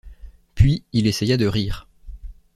Puis, il essaya de rire.